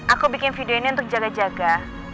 aku bikin video ini untuk jaga jaga